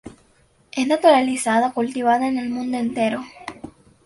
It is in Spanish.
Es naturalizada o cultivada en el mundo entero.